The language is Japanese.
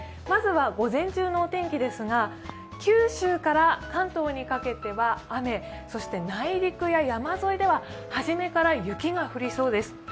まずは午前中のお天気ですが九州から関東にかけては雨そして内陸や山沿いでははじめから雪が降りそうです。